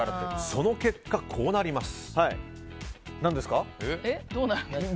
その結果、こうなります。